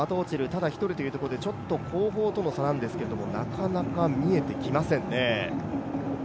ただ一人ということでちょっと後方との差なんですけどもなかなか見えてきませんね。